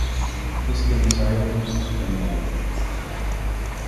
اس کے مسائل میں کتنی کمی آئی؟